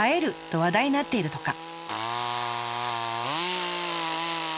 と話題になっているとか。